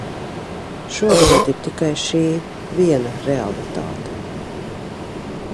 Šobrīd ir tikai šī, viena realitāte.